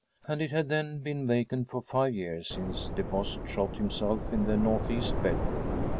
And it had then been vacant for five years since DeBost shot himself in the northeast bedroom.